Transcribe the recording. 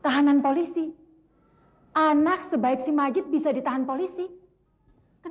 tahanan polisi anak sebaik si majid bisa ditahan oleh si majid